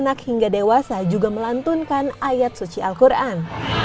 anak hingga dewasa juga melantunkan ayat suci al quran